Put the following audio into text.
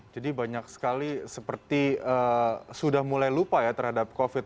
jadi banyak sekali seperti sudah mulai lupa ya terhadap covid sembilan belas